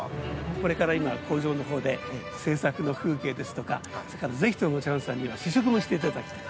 これから今工場の方で製作の風景ですとかそれからぜひともチャンさんには試食もしていただきたい。